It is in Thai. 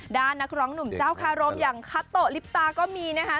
นักร้องหนุ่มเจ้าคารมอย่างคาโตะลิปตาก็มีนะคะ